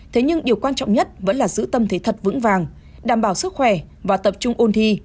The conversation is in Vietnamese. thế nhưng điều quan trọng nhất vẫn là giữ tâm thế thật vững vàng đảm bảo sức khỏe và tập trung ôn thi